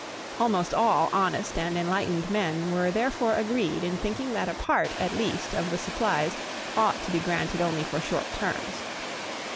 Almost all honest and enlightened men were therefore agreed in thinking that a part at least of the supplies ought to be granted only for short terms.